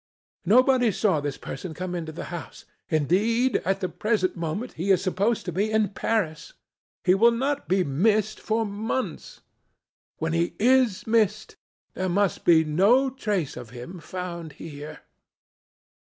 Nobody saw this person come into the house. Indeed, at the present moment he is supposed to be in Paris. He will not be missed for months. When he is missed, there must be no trace of him found here.